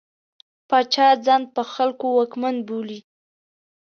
پاچا ځان په خلکو واکمن بولي.